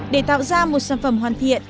để tạo ra một sản phẩm hoàn thiện